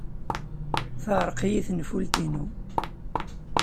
Teɛreq-iyi tenfult-inu.